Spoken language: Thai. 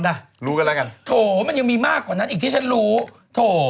น่ะรู้กันแล้วกันโถมันยังมีมากกว่านั้นอีกที่ฉันรู้โถ